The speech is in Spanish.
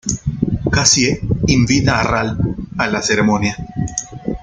Cassie invita a Ralph a la ceremonia.